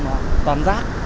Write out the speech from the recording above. mà toàn rác